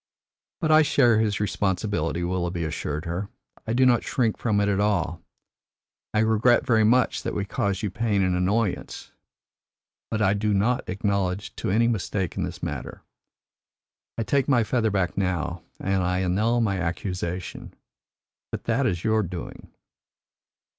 "But I share his responsibility," Willoughby assured her. "I do not shrink from it at all. I regret very much that we caused you pain and annoyance, but I do not acknowledge to any mistake in this matter. I take my feather back now, and I annul my accusation. But that is your doing."